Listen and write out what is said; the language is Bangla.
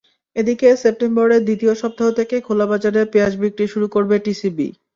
এদিকে সেপ্টেম্বরের দ্বিতীয় সপ্তাহ থেকে খোলাবাজারে পেঁয়াজ বিক্রি শুরু করবে টিসিবি।